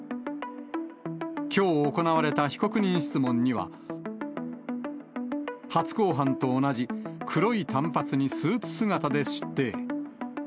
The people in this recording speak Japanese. きょう行われた被告人質問には、初公判と同じ、黒い短髪にスーツ姿で出廷。